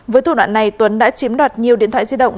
với thủ đoạn này tuấn đã chiếm đoạt nhiều điện thoại di động